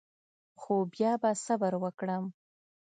خو بیا به صبر وکړم.